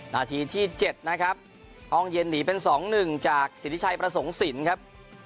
นาทีที่๗นะครับห้องเย็นหนีเป็น๒๑จากสิทธิชัยประสงค์สินครับ